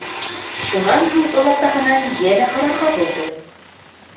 Шунан һуң олатаһынан йәнә һорарға булды: